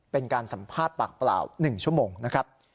เป็นการสัมภาษณ์ปากเปล่า๑ชั่วโมงนะครับ